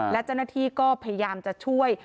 และเจ้าหน้าที่ก็พยายามจะช่วย